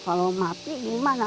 kalau mati gimana